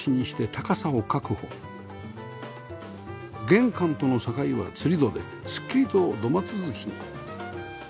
玄関との境はつり戸ですっきりと土間続きに